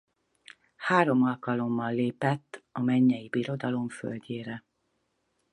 Három alkalommal lépett a Mennyei Birodalom földjére.